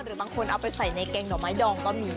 บางคนเอาไปใส่ในแกงหน่อไม้ดองก็มี